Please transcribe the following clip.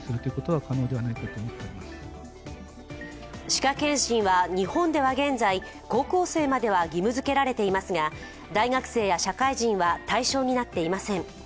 歯科検診は日本では現在、高校生までは義務づけられていますが大学生や社会人は対象になっていません。